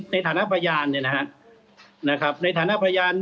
ในฐานะประยานเนี่ยนะครับในฐานะประยาน